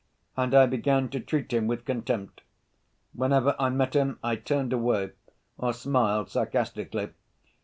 And I began to treat him with contempt; whenever I met him I turned away or smiled sarcastically.